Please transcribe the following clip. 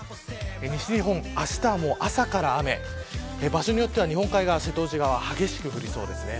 西日本、あしたは朝から雨場所によっては日本海側瀬戸内側、激しく降りそうです。